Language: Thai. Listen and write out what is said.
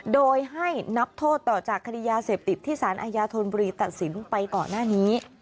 โดยให้นับโทษต่อจากคดียาเสพติดที่สารอาญาธนบุรีตัดสินไปก่อนหน้านี้